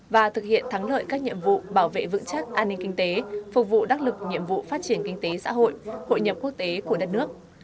và thực hiện thắng lợi các nhiệm vụ bảo vệ vững chắc an ninh kinh tế phục vụ đắc lực nhiệm vụ phát triển kinh tế xã hội hội nhập quốc tế của đất nước